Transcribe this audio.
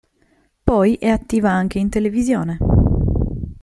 Poi è attiva anche in televisione.